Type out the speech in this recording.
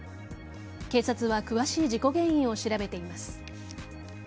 警察は詳しい事故原因を調べています。